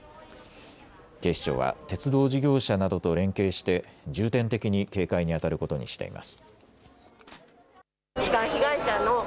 警視庁は鉄道事業者などと連携して重点的に警戒にあたることにしています。